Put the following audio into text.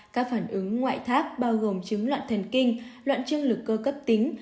các phản ứng ngoại thác bao gồm chứng loạn thần kinh loạn chứng lực cơ cấp tính